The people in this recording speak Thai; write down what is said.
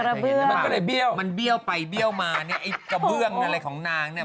แล้วมันก็เลยเบี้ยวมันเบี้ยวไปเบี้ยวมาเนี่ยไอ้กระเบื้องอะไรของนางเนี่ย